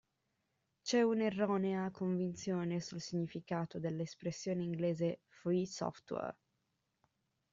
C'è un'erronea convinzione sul significato dell'espressione inglese "Free Software".